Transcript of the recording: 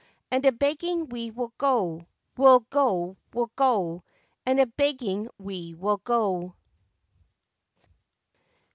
And a begging we will go, we'll go, we'll go; And a begging we will go!